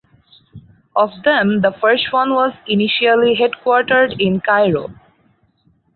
Of them the first one was initially headquartered in Cairo.